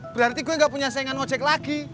berarti gue gak punya saingan ojek lagi